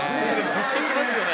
グッときますよね。